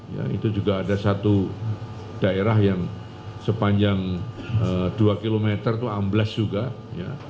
ya itu juga ada satu daerah yang sepanjang dua km itu amblas juga ya